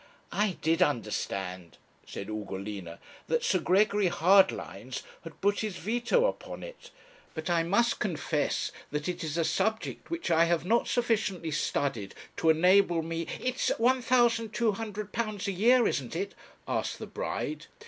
'I did understand,' said Ugolina, 'that Sir Gregory Hardlines had put his veto upon it; but I must confess that it is a subject which I have not sufficiently studied to enable me ' 'It's £1,200 a year, isn't it?' asked the bride.